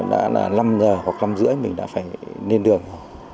đã là năm giờ hoặc năm rưỡi mình đã phải lên đường